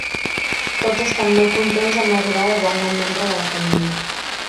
Tots estan molt contents amb l'arribada del nou membre de la família.